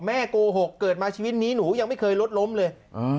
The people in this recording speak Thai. โกหกเกิดมาชีวิตนี้หนูยังไม่เคยรถล้มเลย